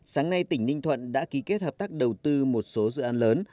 sáng nay tỉnh ninh thuận đã ký kết hợp tác đầu tư một số dự án lớn